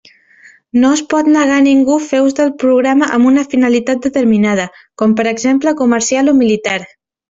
No es pot negar a ningú fer ús del programa amb una finalitat determinada, com per exemple comercial o militar.